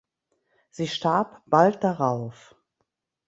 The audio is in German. Sie starb bald darauf.